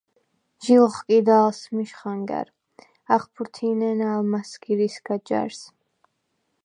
ჟი ლოხკიდა ალსმიშ ხანგა̈რ. ახფურთინენა ალმა̈სგირ ისგა ჯა̈რს.